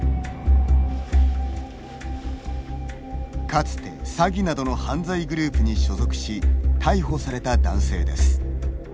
かつて詐欺などの犯罪グループに所属し逮捕された男性です。